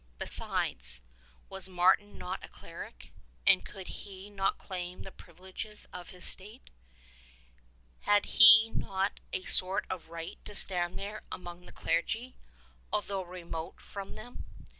Besides, was Martin not a cleric, and could he not claim the privileges of his state ? Had he not a sort of right to stand there among the clergy, although remote from them